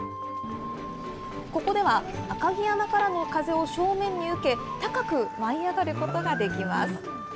ここでは、赤城山からの風を正面に受け、高く舞い上がることができます。